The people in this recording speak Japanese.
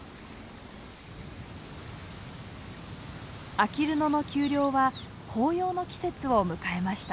あきる野の丘陵は紅葉の季節を迎えました。